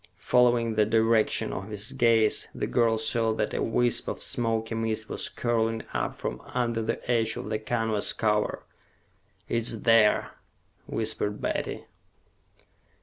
Following the direction of his gaze, the girl saw that a whisp of smoky mist was curling up from under the edge of the canvas cover. "It is there," whispered Betty.